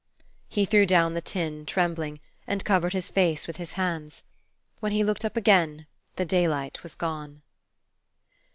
He threw down the tin, trembling, and covered his face with his hands. When he looked up again, the daylight was gone.